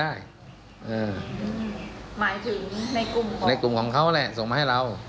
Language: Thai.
หมายถึงในกลุ่มในกลุ่มของเขาแหละส่งมาให้เรา